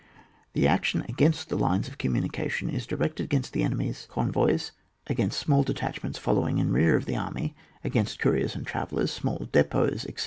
The action against the lines of com munication is directed against the enemy's 158 ON WAR. [book VI convoys, against small detachments fol lowing in rear of the army, against couriers and travellers, small depots, etc.